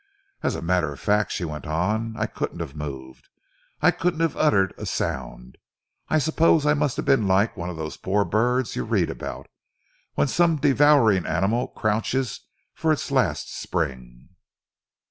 As a matter of fact," she went on, "I couldn't have moved. I couldn't have uttered a sound. I suppose I must have been like one of those poor birds you read about, when some devouring animal crouches for its last spring."